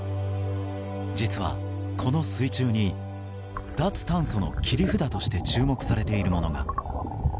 実は、この水中に脱炭素の切り札として注目されているものが。